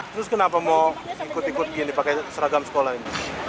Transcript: terus kenapa mau ikut ikut gini pakai seragam sekolah ini